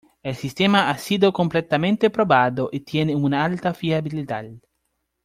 El sistema ha sido completamente probado y tiene una alta fiabilidad.